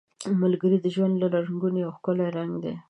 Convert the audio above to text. ملګری د ژوند له رنګونو یو ښکلی رنګ دی